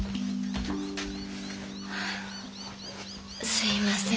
すいません。